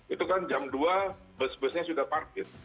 itu kan jam dua bus busnya sudah parkir